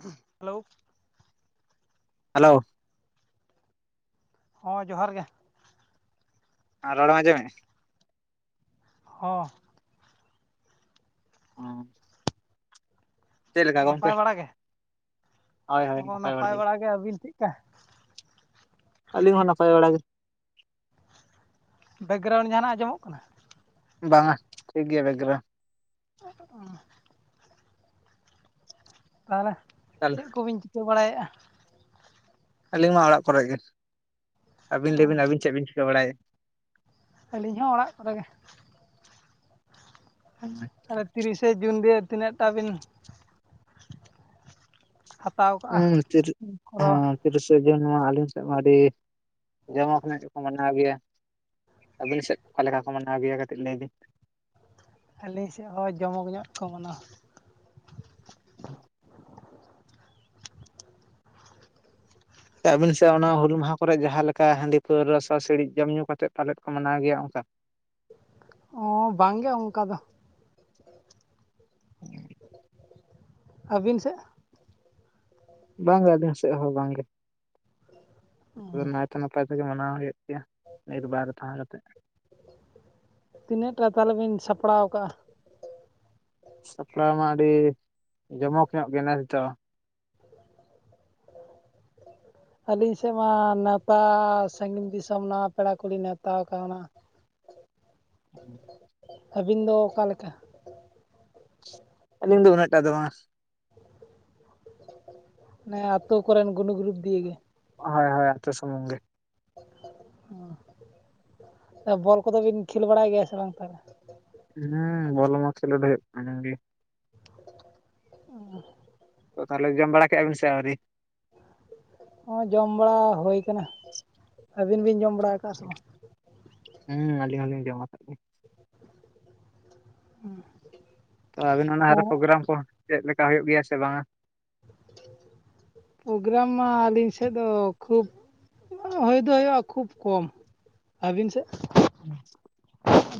ᱦᱩ hello hello ᱦᱚᱸ ᱡᱚᱦᱟᱨ ᱜᱮ ᱟᱨ ᱨᱚᱲᱮᱢ ᱟᱡᱚᱢᱮᱜ ᱟ ᱦᱚᱸ ᱦᱮ ᱱᱟᱯᱟᱭ ᱵᱟᱲᱟ ᱜᱮ ᱦᱚᱸ ᱱᱟᱯᱟᱭ ᱵᱟᱲᱟ ᱜᱮ ᱟᱹᱵᱤᱱ ᱪᱮᱫᱠᱟ? ᱟᱹᱞᱤᱧ ᱦᱚᱸ ᱱᱟᱯᱟᱭ ᱵᱟᱲᱟᱜ ᱜᱮ᱾ ᱵᱮᱠᱜᱨᱟᱣᱩᱱᱰ ᱡᱟᱦᱱᱟᱜ ᱟᱸᱡᱚᱢᱚᱜ ᱠᱟᱱᱟ? ᱵᱟᱝ ᱟ ᱴᱷᱤᱠ ᱜᱮᱭᱟ ᱵᱮᱠᱜᱨᱟ ᱚ ᱛᱟᱦᱚᱞᱮ ᱛᱟᱦᱚᱞᱮ ᱪᱮᱫ ᱠᱚᱵᱤᱱ ᱪᱤᱠᱟᱹ ᱵᱟᱲᱟᱭᱮᱫᱼᱟ᱾ ᱟᱹᱞᱤᱧᱢᱟ ᱚᱲᱟᱜ ᱠᱚᱨᱮ ᱜᱮ᱾ ᱟᱹᱵᱤᱱ ᱞᱟᱹᱭᱵᱤᱱ ᱟᱹᱵᱤᱱ ᱪᱮᱫ ᱵᱤᱱ ᱪᱷᱤᱠᱟᱹ ᱵᱟᱲᱟᱭ ᱮᱫᱟ? ᱟᱹᱞᱤᱧ ᱦᱚᱸ ᱚᱲᱟᱜ ᱠᱚᱨᱮ ᱜᱮ᱾ ᱟᱨ ᱛᱤᱨᱤᱥᱮ ᱡᱩᱱ ᱫᱤᱭᱮ ᱛᱤᱱᱟᱹᱜ ᱴᱟ ᱵᱤᱱ ᱦᱟᱛᱟᱣ ᱠᱟᱜᱼᱟ ᱦᱩᱸ ᱛᱤᱨᱥ ᱠᱚᱨᱟᱣ ᱦᱚᱸ ᱛᱤᱨᱮᱥᱮ ᱡᱩᱱ ᱱᱚᱣᱟ ᱟᱹᱞᱤᱧ ᱥᱮᱫ ᱢᱟ ᱟᱹᱰᱤ ᱡᱚᱢᱚᱠ ᱧᱚᱜ ᱜᱮᱠᱚ ᱢᱟᱱᱟᱣ ᱜᱮᱭᱟ ᱟᱹᱵᱤᱱ ᱥᱮᱫ ᱚᱠᱟ ᱞᱮᱠᱟ ᱠᱚ ᱢᱟᱱᱟᱣ ᱟᱹᱜᱩᱭᱟ ᱠᱟᱹᱴᱤᱡ ᱞᱟᱹᱭ ᱵᱤᱱ ᱟᱹᱞᱤᱧ ᱥᱮᱫ ᱦᱚᱸ ᱡᱚᱢᱚᱠ ᱧᱚᱜ ᱠᱚ ᱢᱟᱱᱟ᱾ ᱟᱹᱵᱤᱱ ᱥᱮ ᱚᱱᱟ ᱦᱩᱞ ᱢᱟᱦᱟ ᱠᱚᱨᱮᱜ ᱡᱟᱦᱟᱸ ᱞᱮᱠᱟ ᱦᱟᱺᱰᱤ ᱯᱟᱹᱣᱨᱟ ᱥᱚ ᱥᱤᱲᱤᱡ ᱡᱚᱢ ᱧᱩ ᱠᱟᱛᱮᱫ ᱠᱚ ᱢᱟᱱᱟᱣ ᱜᱮᱭᱟ ᱯᱟᱞᱮᱫ ᱚᱱᱠᱟ [inaudible] ᱚᱸᱻ ᱵᱟᱝᱜᱮ ᱚᱱᱠᱟ ᱫᱚ᱾ ᱟᱹᱵᱤᱱ ᱥᱮᱫ ᱵᱟᱝᱜᱮ ᱟᱹᱞᱤᱧ ᱥᱮᱫ ᱦᱚᱸ ᱵᱟᱝᱜᱮ᱾ ᱥᱩ ᱱᱟᱭ ᱛᱮ ᱱᱟᱯᱟᱭ ᱛᱮ ᱢᱟᱱᱟᱣ ᱦᱩᱭᱩᱜ᱾ ᱴᱷᱭᱟ ᱱᱤᱨ ᱵᱟᱨ ᱛᱟᱦᱮᱸ ᱠᱟᱛᱮ᱾ ᱛᱤᱱᱟᱹᱜ ᱴᱟ ᱛᱟᱦᱚᱞᱮ ᱵᱤᱱ ᱥᱟᱯᱲᱟᱣ ᱠᱟᱜᱼᱟ᱾ ᱥᱟᱯᱲᱟᱣ ᱢᱟ ᱟᱹᱰᱤ ᱡᱚᱢᱚᱠ ᱧᱚᱜ ᱜᱮ ᱱᱮᱥ ᱫᱚ᱾ ᱟᱹᱞᱤᱧ ᱥᱮᱫ ᱢᱟ ᱱᱮᱣᱛᱟ ᱥᱟᱺᱜᱤᱧ ᱫᱤᱥᱚᱢ ᱱᱚᱣᱟ ᱯᱮᱲᱟ ᱠᱚᱞᱤᱧ ᱱᱮᱣᱛᱟ ᱠᱟᱣᱱᱟ᱾ ᱦᱮᱸ ᱟᱹᱵᱤᱱ ᱫᱚ ᱚᱠᱟ ᱞᱮᱠᱟ? ᱟᱞᱤᱧ ᱫᱚ ᱩᱱᱟᱜ ᱴᱟᱜ ᱫᱚ ᱵᱟᱝᱟ ᱚᱱᱮ ᱟᱛᱩ ᱠᱚᱨᱮᱱ ᱜᱩᱱᱤ ᱜᱨᱩᱯ ᱫᱤᱭ ᱜᱮ᱾ ᱦᱚᱭ ᱦᱚᱭ ᱟᱛᱩ ᱥᱩᱢᱩᱝ ᱜᱮ᱾ ᱵᱚᱞ ᱠᱚᱫᱚ ᱵᱤᱱ ᱠᱷᱮᱞ ᱵᱟᱲᱟᱭ ᱜᱮᱭᱟ ᱥᱮ ᱵᱟᱝ ᱛᱟᱦᱞᱮ? ᱦᱩᱸᱻ ᱵᱚᱞᱚ ᱢᱟ ᱠᱷᱮᱞᱚᱰ ᱦᱩᱭᱩᱜ ᱠᱟᱱ ᱜᱤ᱾ ᱚᱸᱻ ᱛᱚ ᱛᱟᱦᱚᱞᱮ ᱡᱚᱢ ᱵᱟᱲᱟ ᱠᱮᱜᱼᱟ ᱵᱤᱱ ᱥᱮ ᱟᱹᱣᱨᱤ? ᱳ ᱻᱡᱚᱢ ᱵᱟᱲᱟ ᱦᱩᱭ ᱠᱟᱱᱟ ᱟᱹᱵᱤᱱ ᱵᱤᱱ ᱡᱚᱢ ᱵᱟᱲᱟ ᱟᱠᱟᱜᱼᱟ ᱥᱮ ᱵᱟᱝ? ᱦᱩᱸᱻ ᱟᱹᱞᱤᱧ ᱦᱚᱸᱞᱤᱧ ᱡᱚᱢᱟ ᱟᱠᱟᱫ ᱜᱮ᱾ ᱦᱮᱸ ᱛᱚ ᱟᱵᱤᱱ ᱚᱱᱟᱨᱯᱨᱳᱜᱨᱟᱢ ᱠᱚ ᱪᱮᱫ ᱞᱮᱠᱟ ᱦᱩᱭᱩᱜ ᱜᱮᱭᱟ ᱥᱮ ᱵᱟᱝᱟ? ᱯᱨᱳᱜᱨᱟᱢ ᱢᱟ ᱟᱹᱞᱤᱧ ᱥᱮᱫ ᱫᱚ ᱠᱷᱩᱵᱽ ᱦᱩᱭᱴᱭ ᱫᱚ ᱦᱩᱭᱩᱜᱼᱟ᱾ ᱠᱷᱩᱵ ᱠᱚᱢ ᱟᱹᱵᱤᱱ ᱥᱮᱫ?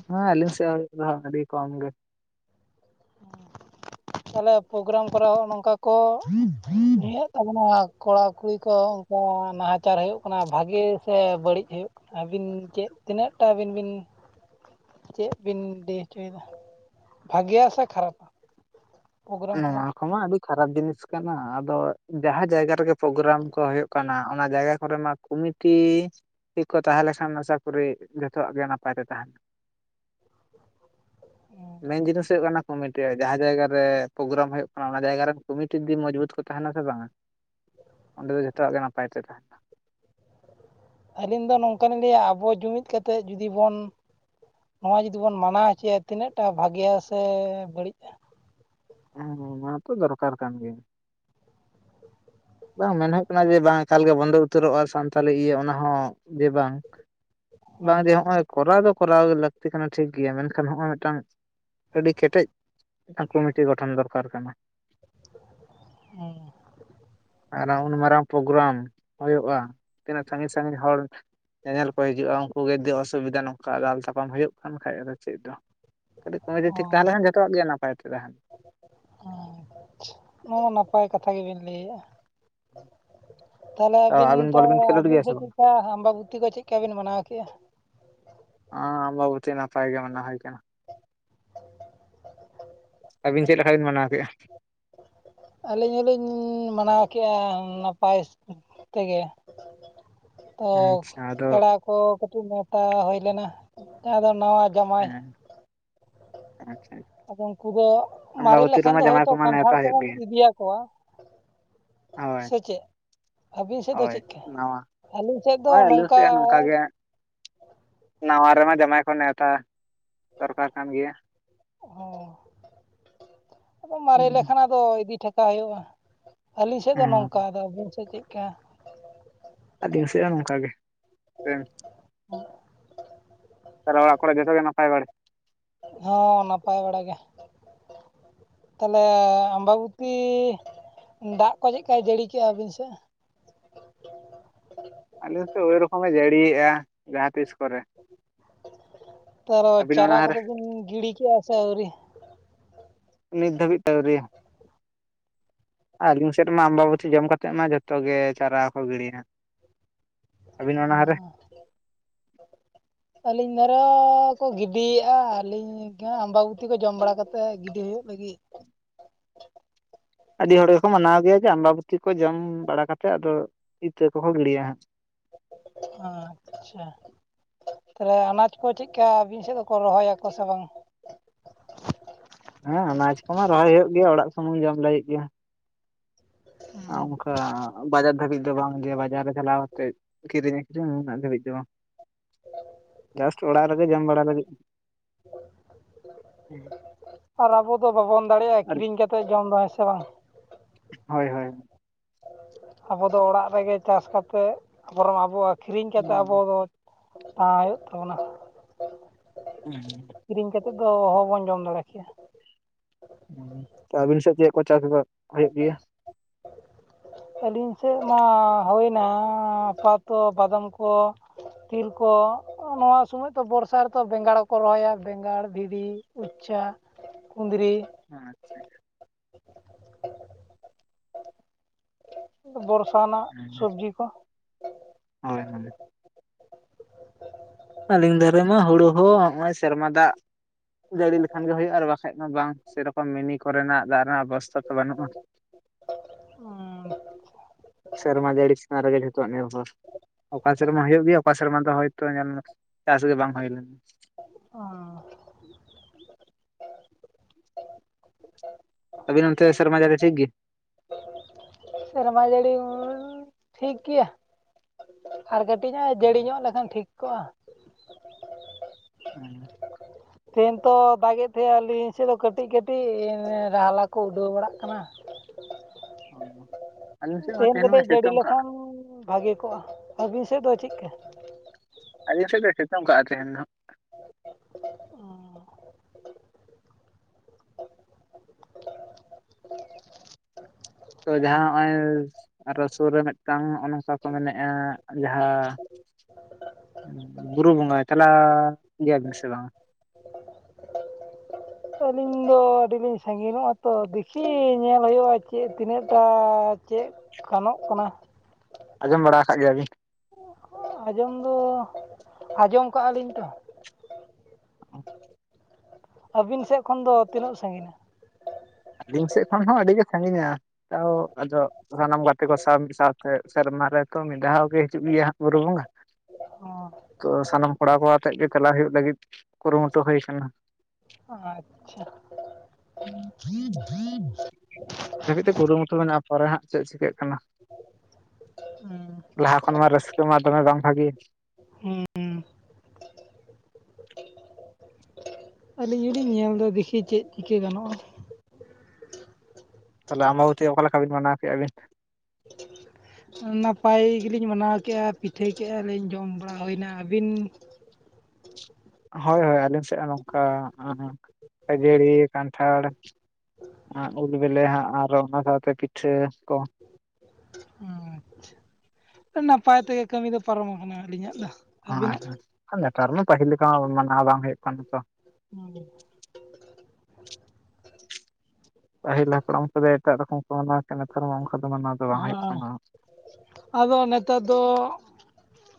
ᱦᱮᱸ ᱟᱹᱞᱤᱧ ᱥᱮ ᱟᱹᱰᱤ ᱠᱚᱢ ᱜᱮ᱾ [inaudible] ᱛᱟᱦᱚᱞᱮ ᱯᱨᱳᱜᱨᱟᱢ ᱠᱚᱨᱮ ᱱᱚᱜᱚᱱᱚᱝᱠᱟ ᱠᱚ ᱱᱚᱝᱠᱟ ᱠᱚ ᱦᱮᱭᱮᱫ ᱛᱟᱵᱚᱱᱟ ᱠᱚᱲᱟᱼ ᱠᱩᱲᱤ ᱠᱚ ᱚᱱᱠᱟ᱾ ᱱᱟᱦᱟᱪᱟᱨ ᱦᱩᱭᱩᱜ ᱠᱟᱱᱟ ᱵᱷᱟᱹᱜᱤ ᱥᱮ ᱵᱟᱹᱲᱤᱡ ᱦᱩᱭᱩᱜ ᱠᱟᱱᱟ ᱟᱹᱵᱤᱱ ᱪᱮᱫ ᱛᱤᱱᱟᱹᱜᱴᱟᱜ ᱟᱹᱵᱤᱱ ᱵᱤᱱᱻ ᱪᱮᱜ ᱵᱤᱱ ᱞᱟᱹᱭ ᱦᱚᱪᱚᱭᱮᱫᱟ ᱵᱷᱟᱹᱜᱮᱭᱟ ᱥᱮ ᱠᱷᱟᱨᱟᱯᱟ? ᱯᱨᱳᱜᱨᱟᱢ ᱱᱚᱣᱟ ᱠᱚᱨᱟᱣ? ᱠᱚ ᱢᱟ ᱟᱰᱤᱻ ᱠᱷᱟᱨᱟᱯ ᱡᱤᱱᱤᱥ ᱠᱟᱱᱟ ᱟᱫᱚ ᱡᱟᱦᱟᱸ ᱡᱟᱭᱜᱟ ᱨᱮᱜᱮ ᱯᱨᱳᱜᱨᱟᱢ ᱠᱚ ᱦᱩᱭᱩᱜ ᱠᱟᱱᱟ ᱚᱱᱟ ᱡᱟᱭᱜᱟ ᱠᱚᱨᱮ ᱢᱟ ᱠᱚᱢᱤᱴᱤ ᱠᱚ ᱛᱟᱦᱮᱸᱞᱮᱠᱷᱟᱱ ᱟᱥᱟ ᱠᱚᱨᱤ ᱡᱚᱛᱚᱣᱟᱜ ᱜᱮ ᱱᱟᱯᱟᱭ ᱛᱮ ᱛᱟᱦᱮᱱᱟ᱾ ᱢᱮᱱ ᱡᱤᱱᱤᱥ ᱦᱩᱭᱩᱜ ᱠᱟᱱᱟ᱾ ᱠᱚᱢᱤᱴᱤᱟᱜ ᱡᱟᱦᱟᱸ ᱡᱟᱭᱜᱟ ᱨᱮᱻ ᱯᱨᱳᱜᱨᱟᱢ ᱦᱩᱭᱩᱜ ᱠᱟᱱᱟ ᱚᱱᱟ ᱡᱟᱭᱜᱟ ᱨᱮᱱ ᱠᱚᱢᱤᱴᱤ ᱡᱩᱫᱤ ᱢᱚᱡᱽᱵᱩᱛ ᱠᱚ ᱛᱟᱦᱮᱱᱟ ᱥᱮ ᱵᱟᱝᱟ ᱚᱸᱰᱮ ᱫᱚ ᱡᱚᱛᱚᱣᱟᱜ ᱜᱮ ᱱᱟᱯᱟᱭ ᱛᱮ ᱛᱟᱦᱮᱱᱟ᱾ ᱟᱹᱞᱤᱧ ᱫᱚ ᱱᱚᱝᱠᱟ ᱞᱤᱧ ᱞᱟᱹᱭᱟ ᱟᱵᱚ ᱡᱩᱢᱤᱫ ᱠᱟᱛᱮᱜ ᱡᱩᱫᱤ ᱵᱚᱱᱻ ᱱᱚᱣᱟ ᱡᱩᱫᱤ ᱵᱚᱱ ᱢᱟᱱᱟᱣ ᱦᱚᱪᱚᱭᱟ ᱛᱤᱱᱟᱹᱜ ᱴᱟ ᱵᱷᱟᱹᱜᱮᱭᱟ ᱥᱮ ᱵᱟᱹᱲᱤᱡᱼᱟ? ᱦᱮᱸᱻ ᱚᱱᱟ ᱛᱚ ᱫᱚᱨᱠᱟᱨ ᱠᱟᱱ ᱜᱮᱭᱟ᱾ ᱵᱟᱝ ᱢᱮᱱ ᱦᱩᱭᱩᱜ ᱠᱟᱱᱟ ᱡᱮ ᱵᱟᱝ ᱮᱠᱟᱞᱜᱮ ᱵᱚᱱᱫᱚ ᱩᱛᱟᱹᱨᱚᱜᱼᱟ ᱥᱟᱱᱛᱟᱞᱤ ᱤᱭᱟᱹ ᱚᱱᱟ ᱦᱚᱸ ᱡᱮ ᱵᱟᱝ ᱦᱩᱸ ᱵᱟᱝ ᱫᱮ ᱱᱚᱜᱼᱚᱭ ᱠᱚᱨᱟᱣ ᱫᱚ ᱠᱚᱨᱟᱣ ᱜᱮ ᱞᱟᱹᱠᱛᱤ ᱠᱟᱱᱟ ᱴᱷᱤᱠ ᱜᱮᱭᱟ ᱢᱮᱱᱠᱷᱟᱱ ᱱᱚᱜᱼᱚᱭ ᱢᱤᱫᱴᱟᱱ ᱟᱹᱰᱤ ᱠᱮᱴᱮᱡ ᱠᱚᱢᱤᱴᱤ ᱜᱚᱴᱷᱚᱱ ᱫᱚᱨᱠᱟᱨ ᱠᱟᱱᱟ᱾ ᱦᱮᱸ ᱟᱨ ᱩᱱ ᱢᱟᱨᱟᱝ ᱯᱨᱳᱜᱨᱟᱢ ᱦᱩᱭᱩᱜᱼᱟ ᱛᱤᱱᱟᱹᱜ ᱥᱟᱺᱜᱤᱧ ᱥᱟᱺᱜᱤᱧ ᱦᱚᱲ ᱧᱮᱧᱮᱞ ᱠᱚ ᱦᱤᱡᱩᱜᱼᱟ ᱩᱱᱠᱩ ᱜᱮ ᱡᱩᱫᱤ ᱚᱥᱩᱵᱤᱫᱟ ᱱᱚᱝᱠᱟ ᱫᱟᱞ ᱛᱟᱯᱟᱢ ᱦᱩᱭᱩᱜ ᱠᱟᱱ ᱠᱷᱟᱡ ᱫᱚ ᱪᱮᱫ ᱫᱚ᱾ ᱠᱟᱹᱴᱤᱡ ᱠᱚᱢᱫᱤ ᱴᱷᱤᱠ ᱦᱚᱸ ᱛᱟᱦᱮᱞᱮᱱ ᱠᱷᱟᱱ ᱡᱚᱛᱚᱣᱟᱜ ᱜᱮ ᱱᱟᱯᱟᱭ ᱛᱮ ᱛᱟᱦᱮᱱ ᱟᱪ ᱱᱚᱣᱟ ᱱᱟᱯᱟᱭ ᱠᱟᱛᱷᱟ ᱜᱮᱵᱤᱱ ᱞᱟᱹᱭᱮᱜᱼᱟ᱾ ᱦᱩᱸ ᱛᱟᱦᱞᱮ ᱟᱹᱵᱤᱱ ᱫᱚ ᱟᱹᱵᱤᱱ ᱥᱮᱫ ᱵᱟᱝ? ᱪᱮᱫᱞᱮᱠᱟ ᱟᱢᱵᱟᱵᱛᱤ ᱠᱚ ᱪᱮᱫᱠᱟ ᱵᱤᱱ ᱢᱟᱱᱟᱣ ᱠᱮᱫᱮᱜᱼᱟ? ᱦᱟᱸ ᱟᱢᱵᱟᱵᱚᱛᱤ ᱱᱟᱯᱟᱭ ᱜᱮ ᱢᱟᱱᱟᱣ ᱦᱩᱭ ᱟᱠᱟᱱᱟ᱾ ᱠᱟᱷᱟᱧ ᱢᱟᱱᱟᱣ ᱠᱮᱫᱼᱟ ᱟᱞᱤᱧ ᱦᱚᱞᱤᱧ ᱢᱟᱱᱟᱣ ᱠᱮᱜᱼᱟ ᱱᱟᱯᱟᱭ ᱛᱮᱜᱮ ᱛᱚ ᱟᱪᱪᱷᱟ ᱟᱫᱚ ᱯᱮᱲᱟ ᱠᱚ ᱠᱟᱹᱴᱤᱡ ᱱᱮᱶᱛᱟ ᱦᱳᱭ ᱞᱮᱱᱟ ᱟᱫᱚ ᱱᱟᱣᱟ ᱡᱟᱢᱟᱭ ᱦᱮᱸ ᱟᱪᱪᱷᱟ- ᱟᱫᱚ ᱩᱱᱠᱩ ᱫᱚ ᱢᱟᱨᱮ ᱟᱢᱵᱟᱵᱚᱛᱤ ᱞᱮᱠᱷᱟᱱ ᱨᱮᱢᱟ ᱫᱚ ᱦᱳᱭ ᱡᱟᱢᱟᱭ ᱛᱚ ᱠᱚᱢᱟ ᱠᱟᱱᱴᱷᱟᱲ ᱱᱮᱣᱛᱟ ᱦᱩᱭᱩᱜ ᱠᱚᱵᱚᱱ ᱜᱮᱭᱟ ᱤᱫᱤ ᱟᱠᱚᱣᱟ ᱦᱳᱭ ᱥᱮ ᱪᱮᱫ ᱟᱵᱤᱱ ᱥᱮᱜ ᱫᱚ ᱦᱳᱭ ᱪᱮᱫᱠᱟ ᱱᱟᱣᱟ ᱟᱞᱤᱧ ᱦᱳᱭ [unintelligible] ᱦᱚᱸ ᱱᱚᱝᱠᱟ ᱜᱮ ᱱᱟᱣᱟ ᱨᱮᱢᱟ ᱫᱚᱢᱮ ᱠᱚ ᱱᱮᱶᱛᱟ ᱫᱚᱨᱠᱟᱨ ᱠᱟᱱ ᱜᱮᱭᱟ ᱚ ᱟᱫᱚ ᱢᱟᱨᱮ ᱞᱮᱠᱷᱟᱱ ᱟᱫᱚ ᱤᱫᱤ ᱴᱷᱮᱠᱟᱣ ᱦᱳᱭᱳᱜ-ᱟ ᱟᱹᱞᱤᱧ ᱥᱮᱫ ᱫᱚ ᱦᱮᱸ ᱱᱚᱝᱠᱟ ᱫᱚ ᱟᱵᱤᱱ ᱥᱮᱜ ᱪᱮᱫ ᱠᱟ ᱟᱹᱞᱤᱧ ᱥᱮᱫ ᱦᱚᱸ ᱱᱚᱝᱠᱟ ᱜᱮ ᱥᱮᱢ [unintelligible] ᱚᱲᱟᱜ ᱠᱚᱨᱮᱜ ᱡᱚᱛᱚ ᱜᱮ ᱱᱟᱯᱟᱭ ᱵᱟᱲᱮ ᱦᱮᱸ ᱱᱟᱯᱟᱭ ᱵᱟᱲᱟ ᱜᱮ ᱛᱟᱦᱞᱮ ᱟᱵᱟᱵᱚᱛᱤ ᱫᱟᱜ ᱠᱚ ᱪᱮᱫ ᱠᱟᱭ ᱡᱟᱲᱤ ᱠᱮᱜᱼᱟ ᱟᱵᱤᱱ ᱥᱮᱜ [unintelligible] ᱟᱞᱮ ᱥᱮᱜ ᱳᱭ ᱨᱚᱠᱚᱢ ᱮ ᱡᱟᱲᱤ ᱮᱜ-ᱟ [unintelligible] ᱟᱹᱵᱤᱱ ᱪᱟᱨᱟ ᱚᱱᱟ ᱨᱮ ᱠᱚᱫᱚ ᱵᱤᱱ ᱜᱤᱲᱤ ᱠᱮᱜᱼᱟ ᱥᱮ ᱟᱣᱨᱤ ᱱᱤᱛ ᱫᱷᱟᱵᱤᱡ ᱛᱮ ᱟᱣᱨᱤ ᱟᱹᱞᱤᱧ ᱥᱮᱫ ᱢᱟ ᱟᱵᱟᱵᱚᱛᱤ ᱡᱚᱢ ᱠᱟᱛᱮᱜ ᱢᱟ ᱡᱚᱛᱚ ᱜᱮ ᱪᱟᱨᱟ ᱠᱚ ᱜᱤᱲᱤᱭᱟ [unintelligible] ᱚᱱᱟ ᱨᱮ ᱟᱹᱞᱤᱧ [unintelligible] [unintelligible] ᱠᱚ ᱜᱤᱰᱤ ᱭᱟᱜᱼᱟ ᱟᱹᱞᱤᱧ ᱟᱵᱟᱵᱚᱛᱤ ᱠᱚ ᱡᱚᱢ ᱵᱟᱲᱟ ᱠᱟᱛᱮᱜ ᱜᱤᱰᱤ ᱦᱳᱭᱳᱜ ᱞᱟᱹᱜᱤᱜ [unintelligible] ᱟᱹᱰᱤ ᱦᱚᱲ ᱜᱮᱠᱚ ᱢᱟᱱᱟᱣ ᱜᱮᱭᱟ [unintelligible] ᱡᱚᱢ ᱵᱟᱲᱟ ᱠᱟᱛᱮᱜ ᱟᱫᱚ ᱤᱛᱟᱹ ᱠᱚᱦᱚᱸ ᱜᱤᱲᱤᱭᱟ ᱦᱟᱜ ᱟᱪᱪᱷᱟ ᱛᱟᱦᱞᱮ ᱟᱱᱟᱡ ᱠᱚ ᱪᱮᱜ ᱠᱟ ᱟᱵᱤᱱ ᱥᱮᱫ ᱫᱚᱠᱚ ᱨᱚᱦᱚᱭ ᱟᱠᱚ ᱥᱮ ᱵᱟᱝ ᱦᱮᱸ ᱟᱱᱟᱪ ᱠᱚᱢᱟ ᱨᱚᱦᱚᱭ ᱦᱳᱭᱳᱜ ᱜᱮᱭᱟ ᱚᱲᱟᱜ ᱥᱩᱢᱩᱝ ᱡᱚᱢ ᱞᱟᱹᱜᱤᱫ ᱜᱮ ᱚᱝᱠᱟ ᱵᱟᱡᱟᱨ ᱫᱷᱟᱵᱤᱡ ᱫᱚ ᱵᱟᱝ ᱡᱮ ᱵᱟᱡᱟᱨ ᱨᱮ ᱪᱟᱞᱟᱣ [unintelligible] ᱛᱮᱜ ᱠᱤᱨᱤᱧ ᱟᱠᱷᱨᱤᱧ ᱩᱱᱟᱹᱜ ᱫᱷᱟᱹᱵᱤᱡ ᱫᱚ ᱵᱟ ᱡᱟᱥᱴ ᱚᱲᱟᱜ ᱨᱮᱜᱮ ᱡᱚᱢ ᱵᱟᱲᱟ ᱞᱟᱹᱜᱤᱫ ᱟᱨ ᱟᱵᱚ ᱫᱚ ᱵᱟᱵᱚᱱ ᱫᱟᱲᱮᱭᱟᱜᱼᱟ ᱟᱨ ᱠᱤᱨᱤᱧ ᱠᱟᱛᱮ ᱡᱚᱢ ᱫᱚ ᱦᱮᱸ ᱥᱮ ᱵᱟᱝ ᱦᱳᱭ ᱦᱳᱭ ᱟᱵᱚ ᱫᱚ ᱚᱲᱟᱜ ᱨᱮᱜᱮ ᱪᱟᱥ ᱠᱟᱛᱮᱫ ᱟᱵᱚᱨᱮᱢ ᱟᱵᱚ ᱟᱹᱠᱷᱨᱤᱧ ᱠᱟᱛᱮᱜ ᱟᱵᱚ ᱫᱚ ᱛᱟᱦᱮᱸ ᱦᱳᱭᱳᱜ ᱛᱟᱵᱚᱱᱟ ᱦᱩ [unintelligible] ᱫᱚ ᱚᱦᱚᱵᱚᱱ ᱡᱚᱢ ᱫᱟᱲᱮ ᱠᱮᱭᱟ ᱟᱵᱤᱱ ᱥᱮᱫ ᱪᱮᱫ ᱠᱚ ᱪᱟᱥ ᱵᱟᱥ ᱦᱳᱭᱳᱜ ᱜᱮᱭᱟ ᱟᱹᱞᱤᱧ ᱥᱮᱜ ᱢᱟ ᱦᱳᱭ ᱱᱟ ᱟᱯᱟᱛᱚ ᱵᱟᱫᱟᱢ ᱠᱚ ᱛᱤᱞ ᱠᱚ ᱱᱚᱣᱟ ᱥᱩᱢᱟᱹᱡ ᱫᱚ ᱵᱚᱨᱥᱟ ᱨᱮᱛᱚ ᱵᱮᱸᱜᱟᱲ ᱠᱚ ᱨᱚᱦᱚᱭᱟ ᱵᱮᱸᱜᱟᱲ [unintelligible] ᱪᱟ ᱠᱩᱸᱫᱽᱨᱤ ᱟᱪᱪᱷᱟ ᱵᱚᱨᱥᱟ ᱱᱟᱜ ᱥᱚᱵᱽᱡᱤ ᱠᱚ ᱦᱳᱭ ᱦᱳᱭ [unintelligible] ᱟᱹᱞᱤᱧ ᱫᱷᱟᱨᱮ ᱢᱟ ᱦᱳᱲᱳ ᱦᱚᱸ ᱦᱚᱜᱼᱚᱭ ᱥᱮᱨᱢᱟ ᱫᱟᱜ ᱡᱟᱹᱲᱤ ᱞᱮᱠᱷᱟᱱ ᱜᱮ ᱦᱳᱭᱳᱜᱼᱟ ᱟᱨ ᱵᱟᱠᱷᱟᱡ ᱢᱟ ᱵᱟᱝ ᱥᱮᱨᱚᱠᱚᱢ ᱢᱤᱱᱤ ᱠᱚᱨᱮᱱᱟᱜ ᱫᱟᱜ ᱨᱮᱱᱟᱜ ᱵᱮᱵᱚᱥᱛᱟ ᱠᱚ ᱵᱟᱱᱩᱜᱼᱟ ᱥᱮᱨᱢᱟ ᱡᱟᱹᱲᱤ ᱪᱮᱛᱟᱱ ᱨᱮᱜᱮ ᱡᱷᱚᱛᱚᱣᱟᱜ ᱱᱤᱨᱵᱷᱚᱨ ᱚᱠᱟ ᱥᱮᱨᱢᱟ ᱦᱩᱭᱩᱜ ᱜᱮᱭᱟ ᱚᱠᱟ ᱥᱮᱨ ᱢᱟ ᱫᱚ ᱦᱚᱭᱛᱳ ᱧᱮᱞ ᱢᱮ ᱪᱟᱥ ᱜᱮ ᱵᱟᱝ ᱦᱩᱭ ᱞᱮᱱᱟ ᱟᱵᱤᱱ ᱚᱱᱛᱮ ᱥᱟᱨᱢᱟ ᱡᱟᱹᱲᱤ ᱴᱷᱤᱠ ᱜᱮ ᱥᱮᱨᱢᱟ ᱡᱟᱹᱲᱤ ᱴᱷᱤᱠ ᱜᱮᱭᱟ ᱟᱨ ᱠᱟᱹᱴᱤᱡ ᱧᱚᱜ ᱡᱟᱹᱲᱤ ᱧᱚᱜ ᱞᱮᱠᱷᱟᱱ ᱴᱷᱤᱠ ᱠᱚᱜᱼᱟ [inaudible] ᱛᱮᱦᱮᱧ ᱛᱚ ᱫᱟᱜᱮᱫ ᱛᱟᱦᱮᱸᱱᱟ ᱟᱹᱞᱤᱧ ᱥᱮᱫ ᱫᱚ ᱠᱟᱹᱴᱤᱡ ᱠᱟᱹᱴᱤᱡ ᱨᱟᱦᱟᱞᱟ ᱠᱚ ᱩᱰᱟᱹᱣ ᱵᱟᱲᱟᱜ ᱠᱟᱱᱟ [inaudible] [inaudible] ᱥᱮᱫ ᱦᱚᱸ ᱛᱮᱦᱮᱱ ᱛᱮᱦᱮᱧ ᱢᱟᱭ ᱠᱟᱴᱤᱡ ᱡᱟᱹᱲᱤ ᱥᱤᱛᱩᱝ ᱠᱟᱜ ᱞᱮᱠᱷᱟᱱ ᱵᱷᱟᱹᱜᱮ ᱠᱚᱜᱼᱟ ᱟᱹᱵᱤᱱ ᱥᱮᱫ ᱫᱚ ᱪᱮᱫᱠᱟ ᱟᱞᱤᱧ ᱥᱮᱫ ᱫᱚ ᱥᱤᱛᱩᱝ ᱠᱟ-ᱟ ᱛᱮᱦᱮᱧ ᱫᱚ [inaudible] ᱛᱚ ᱡᱟᱦᱟᱸ ᱱᱚᱜᱼᱭ ᱟᱨᱚ ᱥᱩᱨ ᱨᱮ ᱢᱤᱫᱴᱟᱝ ᱱᱚᱝᱠᱟ ᱠᱚ ᱢᱮᱱᱮᱫᱼᱟ ᱡᱟᱦᱟᱸ ᱵᱩᱨᱩ ᱵᱚᱸᱜᱟᱭ ᱪᱟᱞᱟᱜ ᱜᱮᱭᱟ ᱵᱤᱱ ᱥᱮ ᱵᱟᱝᱟ ᱟᱹᱞᱤᱧ ᱫᱚ ᱟᱹᱰᱤ ᱞᱤᱧ ᱥᱟᱺᱜᱤ ᱧᱚᱜᱼᱟ ᱛᱚ ᱫᱮᱠᱷᱤ ᱧᱮᱞ ᱦᱩᱭᱩᱜᱼᱟ ᱪᱮᱫ ᱛᱤᱱᱟᱹᱜᱴᱟ ᱪᱮᱫ ᱜᱟᱱᱚᱜ ᱠᱟᱱᱟ ᱟᱸᱡᱚᱢ ᱵᱟᱲᱟ ᱠᱟᱫ ᱜᱮᱭᱟᱵᱤᱱ ᱟᱸᱡᱚᱢ ᱫᱚ ᱟᱸᱡᱚᱢ ᱠᱟᱜᱼᱟ ᱞᱤᱧ ᱛᱚ ᱟᱹᱵᱤᱱ ᱥᱮᱫ ᱠᱷᱚᱱ ᱫᱚ ᱛᱤᱱᱟᱹᱜ ᱥᱟᱺᱜᱤᱧᱟ ᱟᱹᱞᱤᱧ ᱥᱮᱫ ᱠᱷᱚᱱ ᱦᱚᱸ ᱟᱹᱰᱤᱜᱮ ᱥᱟᱺᱜᱤᱧᱟ ᱟᱫᱚ ᱥᱟᱱᱟᱢ ᱜᱟᱛᱮ ᱠᱚ ᱥᱟᱶ ᱢᱤᱫ ᱥᱟᱶᱛᱮ ᱥᱮᱨ ᱢᱟᱨᱮ ᱛᱚ ᱢᱤᱫ ᱫᱷᱟᱣ ᱜᱮ ᱦᱤᱡᱩᱜ ᱦᱟᱸᱜ ᱜᱮᱭᱟ ᱵᱩᱨᱩ ᱵᱚᱸᱜᱟ ᱚ ᱛᱚ ᱥᱟᱱᱟᱢ ᱠᱚᱲᱟ ᱠᱚ ᱟᱛᱮ ᱜᱮ ᱪᱟᱞᱟᱜ ᱦᱩᱭᱩᱜ ᱞᱟᱹᱜᱤᱫ ᱠᱩᱨᱩᱢᱩᱴᱩ ᱦᱩᱭ ᱟᱠᱟᱱᱟ ᱟᱪᱪᱷᱟ [inaudible] ᱦᱩᱸ ᱦᱩᱸ ᱫᱷᱟᱹᱵᱤᱡ ᱛᱮ ᱠᱩᱨᱩᱢᱩᱴᱩ ᱢᱮᱱᱟᱜᱼᱟ ᱯᱚᱨᱮ ᱦᱟᱸᱜ ᱪᱮᱫ ᱪᱤᱠᱟᱹᱜ ᱠᱟᱱᱟ ᱞᱟᱦᱟ ᱠᱷᱚᱱ ᱢᱟ ᱨᱟᱹᱥᱠᱟᱹ ᱢᱟ ᱫᱚᱢᱮ ᱵᱟᱝ ᱵᱷᱟᱜᱮ [inaudible] ᱟᱹᱞᱤᱧ ᱦᱚᱞᱤᱧ ᱧᱮᱞ ᱫᱚ ᱫᱤᱠᱷᱤ ᱪᱮᱫ ᱪᱤᱠᱟᱹ ᱜᱟᱱᱚᱜᱼᱟ ᱛᱟᱦᱞᱮ ᱟᱢᱢᱵᱟ ᱵᱚᱛᱤ ᱚᱠᱟ ᱞᱮᱠᱟ ᱵᱤᱱ ᱢᱟᱱᱟᱣ ᱠᱮᱜᱼᱟ ᱵᱤᱱ ᱱᱟᱯᱟᱭ ᱜᱮᱞᱤᱧ ᱢᱟᱱᱟᱣ ᱠᱮᱜᱼᱟ ᱯᱤᱴᱷᱟᱹᱭ ᱠᱮᱜᱼᱟ ᱞᱤᱧ ᱡᱚᱢ ᱵᱟᱲᱟ ᱦᱩᱭᱱᱟ ᱟᱹᱵᱤᱱ ᱦᱳᱭ ᱦᱳᱭ ᱟᱹᱞᱤᱧ ᱥᱮᱫ ᱦᱚᱸ ᱱᱚᱝᱠᱟ ᱠᱷᱟᱹᱡᱟᱹᱲᱤ ᱠᱟᱱᱴᱷᱟᱲ ᱩᱞ ᱵᱤᱞᱤ ᱦᱟᱜ ᱟᱨ ᱚᱱᱟ ᱥᱟᱶᱛᱮ ᱯᱤᱴᱷᱟᱹ ᱠᱚ ᱟᱪᱪᱷᱟ ᱱᱟᱯᱟᱭ ᱛᱮᱜᱮ ᱠᱟᱹᱢᱤ ᱫᱚ ᱯᱟᱨᱚᱢ ᱟᱠᱟᱱᱟ ᱟᱹᱞᱤᱧᱟᱜ ᱫᱚ ᱟᱹᱵᱤᱱᱟᱜ ᱦ ᱱᱮᱛᱟᱨ ᱢᱟ ᱯᱟᱹᱦᱤᱞ ᱞᱮᱠᱟ ᱢᱟᱱᱟᱣ ᱵᱟᱝ ᱦᱩᱭᱩᱜ ᱠᱟᱱᱟ ᱛᱚ [unintelligible] ᱯᱟᱹᱦᱤᱞ ᱦᱟᱯᱲᱟᱢ ᱠᱚᱫᱚ ᱮᱴᱟᱜ ᱨᱚᱠᱚᱢ ᱠᱚ ᱢᱟᱱᱟᱣ ᱮᱫ ᱛᱟᱦᱮᱱ ᱱᱮᱛᱟᱨ ᱢᱟ ᱚᱱᱠᱟ ᱫᱚ ᱢᱟᱱᱟᱣ ᱫᱚ ᱵᱟᱝ ᱦᱩᱭᱩᱜ ᱠᱟᱱᱟ ᱦᱚᱸ ᱟᱫᱚ ᱱᱮᱛᱟᱨ ᱫᱚ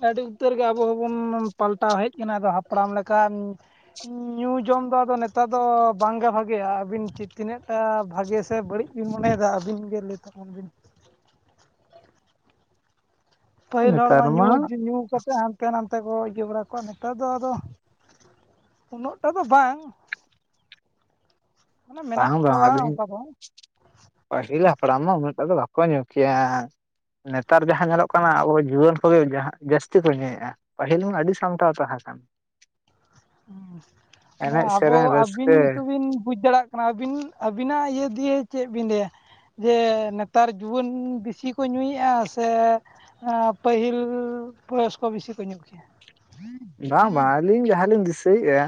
ᱟᱹᱰᱤ ᱩᱛᱟᱹᱨ ᱜᱮ ᱟᱵᱚ ᱦᱚᱸᱵᱚᱱ ᱯᱟᱞᱴᱟᱣ ᱦᱮᱡ ᱠᱟᱱᱟ ᱟᱫᱚ ᱦᱟᱯᱲᱟᱢ ᱞᱮᱠᱟᱱ ᱧᱩ ᱡᱚᱢ ᱫᱚ ᱟᱫᱚ ᱱᱮᱛᱟᱨ ᱫᱚ ᱵᱟᱝᱜᱮ ᱵᱷᱟᱜᱮᱭᱟ ᱟᱹᱵᱤᱱ ᱛᱤᱱᱟᱹᱜᱴᱟ ᱵᱷᱟᱜᱮ ᱥᱮ ᱵᱟᱹᱲᱤᱡ ᱵᱤᱱ ᱢᱚᱱᱮᱭᱮᱫᱟ ᱟᱹᱵᱤᱱ ᱜᱮ ᱞᱟᱹᱭ ᱛᱟᱵᱚᱱ ᱵᱤᱱ [inaudible] ᱯᱟᱹᱦᱤᱞ ᱦᱚᱲ ᱢᱟ ᱧᱩ ᱧᱩ ᱠᱟᱛᱮᱫ ᱛᱮᱫ ᱦᱟᱱᱛᱮ ᱱᱟᱛᱮ ᱠᱚ ᱤᱭᱟᱹ ᱵᱟᱲᱟ ᱠᱚᱜ-ᱟ ᱱᱮᱛᱟᱨ ᱫᱚ ᱟᱫᱚ ᱩᱱᱟᱹᱜ ᱴᱟ ᱫᱚ ᱵᱟᱝ ᱢᱟᱱᱮ ᱢᱮᱱᱟᱜ ᱵᱟᱝ ᱵᱟᱝ ᱠᱚᱣᱟ ᱟᱵᱤᱱ ᱚᱱᱠᱟ ᱫᱚ ᱯᱟᱦᱤᱞᱟᱜ ᱦᱟᱯᱲᱟᱢ ᱦᱚᱸ ᱩᱱᱟᱹᱜ ᱴᱟ ᱫᱚ ᱵᱟᱠᱚ ᱧᱩ ᱠᱮᱭᱟ ᱱᱮᱛᱟᱨ ᱡᱟᱦᱟᱸ ᱧᱮᱞᱚᱜ ᱠᱟᱱᱟ ᱟᱵᱚ ᱡᱩᱣᱟᱹᱱ ᱠᱚᱜᱮ ᱡᱟᱹᱥᱛᱤ ᱠᱚ ᱧᱩᱭᱮᱜᱼᱟ ᱯᱟᱹᱦᱤᱞ ᱢᱟ ᱟᱹᱰᱤ ᱥᱟᱢᱴᱟᱣ ᱛᱟᱦᱮ ᱦ ᱦᱮᱸ ᱢᱟᱱᱮ ᱟᱵᱚ ᱥᱮᱨᱮᱧ ᱟᱹᱵᱤᱱ ᱨᱟᱹᱥᱠᱟᱹ ᱛᱵᱤᱱ ᱵᱩᱡ ᱫᱟᱲᱮᱭᱟᱜ ᱠᱟᱱᱟ ᱟᱹᱵᱤᱱ ᱟᱹᱵᱤᱱᱟᱜ ᱤᱭᱟᱹ ᱫᱤᱭᱮ ᱪᱮᱫ ᱵᱤᱱ ᱞᱟᱹᱭᱟ ᱡᱮ ᱱᱮᱛᱟᱨ ᱡᱩᱣᱟᱹᱱ ᱵᱮᱥᱤ ᱠᱚ ᱧᱩᱭᱮᱫᱼᱟ ᱥᱮ ᱯᱟᱹᱦᱤᱞ ᱵᱚᱭᱚᱥᱠᱚ ᱵᱤᱥᱤ ᱠᱚ ᱧᱩ ᱠᱮᱭᱟ [inaudible] ᱵᱟᱝ ᱵᱟᱝ ᱟᱹᱞᱤᱧ ᱡᱟᱦᱟᱸᱞᱤᱧ ᱫᱤᱥᱟᱹᱭᱮᱫᱼᱟ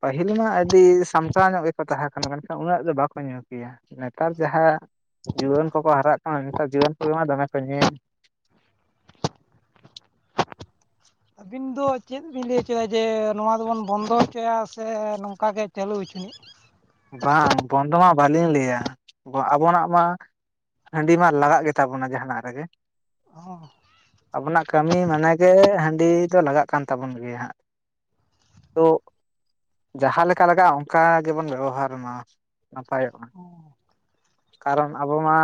ᱯᱟᱹᱦᱤᱞ ᱢᱟ ᱟᱹᱰᱤ ᱥᱟᱢᱴᱟᱣ ᱧᱚᱜ ᱜᱮᱠᱚ ᱛᱟᱦᱮᱸ ᱠᱟᱱᱟ ᱵᱟᱠᱷᱟᱱ ᱢᱮᱱᱠᱷᱟᱱ ᱩᱱᱟᱹᱜ ᱫᱚ ᱵᱟᱠᱚ ᱧᱩ ᱠᱮᱭᱟ ᱱᱮᱛᱟᱨ ᱡᱟᱦᱟᱭᱟᱜ ᱡᱩᱣᱟᱹᱱ ᱠᱚᱠᱚ ᱦᱟᱨᱟᱜ ᱠᱟᱱᱟ ᱱᱮᱛᱟᱨ ᱡᱩᱣᱟᱹᱱ ᱠᱚᱜᱮ ᱢᱟ ᱫᱚᱢᱮ ᱠᱚ ᱯᱟᱱᱮ [inaudible] ᱟᱹᱵᱤᱱ ᱫᱚ ᱪᱮᱫ ᱵᱤᱱ ᱞᱟᱹᱭ ᱦᱚᱪᱚᱭᱭᱟ ᱡᱮ ᱱᱚᱣᱟ ᱫᱚᱵᱚᱱ ᱵᱚᱱᱫᱚ ᱦᱚᱪᱚᱭᱟ ᱥᱮ ᱱᱚᱝᱠᱟ ᱜᱮ ᱪᱟᱞᱩ ᱦᱚᱪᱤᱱᱤ ᱵᱟᱝ ᱵᱚᱱᱫᱚ ᱢᱟ ᱵᱟᱹᱞᱤᱧ ᱞᱟᱹᱭᱟ ᱟᱵᱚᱱᱟᱜ ᱢᱟ ᱦᱟᱺᱰᱤ ᱢᱟ ᱞᱟᱜᱟᱜ ᱜᱮᱛᱟᱵᱚᱱᱟ ᱡᱟᱦᱟᱱᱟᱜ ᱨᱮᱜᱮ ᱦᱚᱸ ᱟᱵᱚᱱᱟᱜ ᱠᱟᱹᱢᱤ ᱢᱟᱱᱮ ᱜᱮ ᱦᱟᱺᱰᱤ ᱫᱚ ᱞᱟᱜᱟᱜ ᱠᱟᱱ ᱛᱟᱵᱚᱱ ᱜᱮᱭᱟ ᱦᱟᱸᱜ ᱛᱚ ᱡᱟᱦᱟᱸ ᱞᱮᱠᱟ ᱞᱟᱜᱟᱜᱼᱟ ᱚᱱᱠᱟ ᱜᱮᱵᱚᱱ ᱵᱮᱵᱚᱦᱟᱨ ᱢᱟ ᱱᱟᱯᱟᱭᱚᱜᱼᱟ ᱦᱚᱸ ᱠᱟᱨᱚᱱ ᱟᱵᱚ ᱢᱟ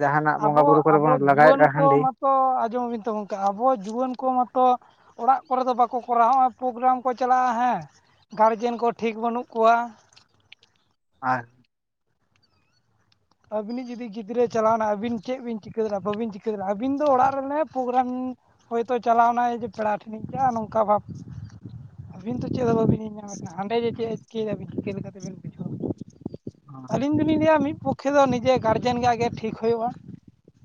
ᱡᱟᱦᱟᱱᱟᱜ ᱵᱚᱸᱜᱟ ᱟᱵᱚ ᱵᱩᱨᱩ ᱠᱚᱨᱮ ᱟᱵᱚ ᱵᱚᱱ ᱡᱩᱣᱟᱹᱱ ᱞᱟᱜᱟᱣᱮᱫᱼᱟ ᱠᱚ ᱦᱟᱺᱰᱤ ᱢᱟᱛᱚ ᱟᱸᱡᱚᱢ ᱵᱤᱱ ᱛᱟᱵᱚᱱ ᱠᱮ ᱟᱵᱚ ᱡᱩᱣᱟᱹᱱ ᱠᱚ ᱢᱟᱛᱚ ᱚᱲᱟᱜ ᱠᱚᱨᱮ ᱫᱚ ᱵᱟᱠᱚ ᱠᱚᱨᱟᱣᱚᱜᱼᱟ ᱯᱨᱳᱜᱨᱟᱢ ᱠᱚ ᱪᱟᱞᱟᱜᱼᱟ ᱦᱮᱸ ᱜᱟᱨᱡᱮᱱ ᱠᱚ ᱴᱷᱤᱠ ᱵᱟᱹᱱᱩᱜ ᱠᱚᱣᱟ ᱟᱨ ᱟᱹᱵᱤᱱᱤᱡ ᱡᱩᱫᱤ ᱜᱤᱫᱽᱨᱟᱹ ᱪᱟᱞᱟᱣᱮᱱᱟ ᱟᱹᱵᱤᱱ ᱪᱮᱫ ᱵᱤᱱ ᱪᱤᱠᱟᱹ ᱫᱟᱲᱮᱼᱟ ᱵᱟᱹᱵᱤᱱ ᱪᱤᱠᱟᱹ ᱫᱟᱲᱮᱭᱟᱜᱼᱟ ᱟᱹᱵᱤᱱ ᱫᱚ ᱚᱲᱟᱜ ᱨᱮᱮ ᱯᱨᱳᱜᱨᱟᱢ ᱦᱚᱭᱛᱳ ᱪᱟᱞᱟᱣᱱᱟᱭ ᱡᱮ ᱯᱮᱲᱟ ᱴᱷᱮᱱᱤᱡ ᱜᱮ ᱱᱚᱝᱠᱟ ᱵᱷᱟᱵᱽ ᱟᱹᱵᱤᱱ ᱛᱚ ᱪᱮᱫ ᱦᱚᱸ ᱵᱟᱹᱵᱤᱱ ᱧᱧᱟᱢᱮᱫ ᱠᱟᱱᱟ ᱦᱟᱸᱰᱮ ᱡ ᱪᱮᱫ ᱪᱤᱠᱟᱹᱵᱤᱱ ᱪᱤᱠᱟᱹ ᱛᱮᱵᱤᱱ ᱵᱩᱡᱷᱟᱹᱣᱟ [inaudible] ᱟᱹᱞᱤᱧ ᱫᱚᱞᱤᱧ ᱞᱟᱹᱭᱟ ᱢᱤᱫ ᱯᱚᱠᱠᱷᱮ ᱫᱚ ᱱᱤᱡᱮ ᱜᱟᱨᱡᱮᱱ ᱨᱮᱭᱟᱜ ᱜᱮ ᱴᱷᱤᱠ ᱦᱩᱭᱩᱜᱼᱟ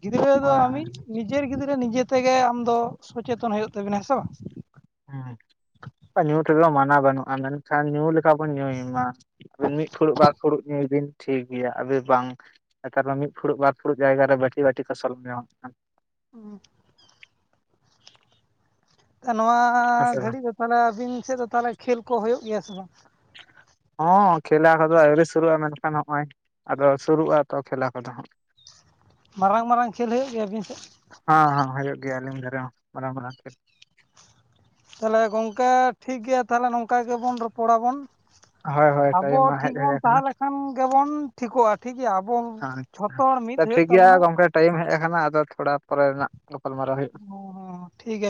ᱜᱤᱫᱽᱨᱟᱹ ᱫᱚ ᱦᱳᱭ ᱦᱳᱭ ᱟᱢᱤᱡ ᱱᱤᱡᱮᱨ ᱜᱤᱫᱟᱹ ᱛᱮ ᱱᱤᱡᱮ ᱛᱮᱜᱮ ᱟᱢ ᱫᱚ ᱥᱚᱪᱮᱛᱚᱱ ᱦᱩᱭᱩᱜ ᱛᱟᱵᱤᱱᱟ ᱦᱮᱸ ᱥᱮ ᱵᱟᱝ ᱦᱮᱸ ᱧᱩ ᱛᱮᱫ ᱢᱟᱱᱟ ᱵᱟᱹᱱᱩᱜᱼᱟ ᱢᱮᱱᱠᱷᱟᱱ ᱧᱩ ᱞᱮᱠᱟ ᱵᱚᱱ ᱧᱩᱭ ᱢᱟ ᱟᱵᱤᱱ ᱢᱤᱫ ᱯᱷᱩᱲᱩᱜ ᱵᱟᱨ ᱯᱷᱩᱲᱩᱜ ᱧᱩᱭ ᱵᱤᱱ ᱴᱷᱤᱠ ᱜᱮᱭᱟ ᱟᱵᱤᱱ ᱵᱟᱝ ᱱᱮᱛᱟᱨ ᱢᱟ ᱢᱤᱫ ᱯᱷᱩᱲᱩᱜ ᱵᱟᱨ ᱯᱷᱩᱲᱩᱜ ᱡᱟᱭᱜᱟᱟᱨᱮ ᱵᱟᱹᱴᱤ ᱵᱟᱹᱴᱤ ᱠᱚ ᱥᱳᱨ ᱧᱚᱝᱚᱜ ᱠᱟᱱᱟ ᱦᱮᱸ [unintelligible] ᱱᱚᱣᱟ ᱦᱮᱸ ᱥᱮ ᱵᱟᱝ ᱜᱷᱟᱹᱲᱤᱡ ᱫᱚ ᱛᱟᱦᱚᱞᱮ ᱟᱹᱵᱤᱱ ᱥᱮᱫ ᱫᱚ ᱛᱟᱦᱚᱞᱮ ᱠᱷᱮᱞ ᱠᱚ ᱦᱩᱭᱩᱜ ᱜᱮᱭᱟ ᱥᱮ ᱵᱟᱝ ᱦᱚᱸ ᱠᱷᱮᱞᱟ ᱠᱚᱫᱚ ᱟᱹᱣᱨᱤ ᱥᱩᱨᱩᱜᱼᱟ ᱢᱮᱱᱠᱷᱟᱱ ᱦᱚᱸᱜᱼᱚᱭ ᱟᱫᱚ ᱥᱩᱨᱩᱜᱼᱟ ᱛᱚ ᱠᱷᱮᱞᱟ ᱠᱚᱫᱚ ᱦᱟᱸᱜ ᱢᱟᱨᱟᱝ ᱢᱟᱨᱟᱝ ᱠᱷᱮᱞ ᱦᱩᱭᱩᱜ ᱜᱮᱭᱟ ᱟᱹᱵᱤᱱ ᱥᱮᱫ ᱦᱮᱸ ᱦᱮ ᱦᱩᱭᱩᱜ ᱜᱮᱭᱟᱞᱤᱧ ᱢ [inaudible] ᱛᱟᱦᱚᱞᱮ ᱜᱚᱝᱠᱮ ᱴᱷᱤᱠ ᱜᱮᱭᱟ ᱛᱟᱦᱚᱞᱮ ᱱᱚᱝᱠᱟ ᱜᱮᱵᱚᱱ ᱨᱚᱯᱚᱲᱟᱵᱚᱱ ᱦᱳᱭ ᱦᱳᱭ ᱟᱵᱚ ᱴᱟᱭᱤᱢ ᱢᱟ ᱴᱷᱤᱠ ᱦᱮᱡ ᱦᱮᱡ ᱵᱚᱱ ᱟᱠᱟᱱᱟ ᱛᱟᱦᱞᱮᱠᱷᱟᱱ ᱜᱮᱵᱚᱱ ᱴᱷᱤᱠᱚᱜᱼᱟ ᱴᱷᱤᱠᱜᱮᱭᱟ ᱟᱵᱚ ᱡᱷᱚᱛᱚ ᱦᱚᱲ ᱢᱤᱫ ᱟ ᱦᱩᱭᱩᱜ ᱴᱷᱤᱠᱜᱮᱭᱟ ᱛᱟᱵᱚᱱᱟ ᱜᱚᱝᱠᱮ ᱴᱟᱭᱤᱢ ᱦᱮᱡ ᱟᱠᱟᱱᱟ ᱟᱫᱚ ᱛᱷᱚᱲᱟ ᱯᱚᱨᱮ ᱨᱮᱱᱟᱜ ᱜᱟᱯᱟᱞᱢᱟᱨᱟᱣ ᱦᱩᱭᱩᱜᱼᱟ ᱦ ᱦ ᱴᱷᱤᱠᱮ